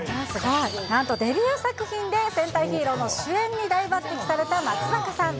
なんとデビュー作品で戦隊ヒーローの主演に大抜てきされた松坂さん。